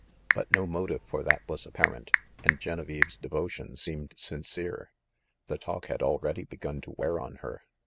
But no motive for that was apparent, and Genevieve's devotion seemed sin cere. The talk had already begun to wear on her.